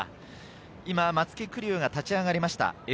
今、松木玖生が立ち上がりました。